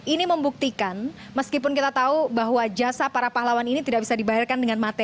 ini membuktikan meskipun kita tahu bahwa jasa para pahlawan ini tidak bisa dibayarkan dengan materi